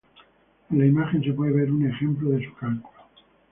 En la imagen se puede ver un ejemplo de su cálculo.